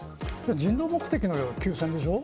人道目的の休戦でしょう。